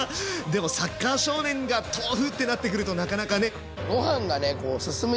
でもサッカー少年が豆腐ってなってくるとなかなかね。